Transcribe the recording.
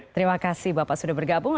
terima kasih bapak sudah bergabung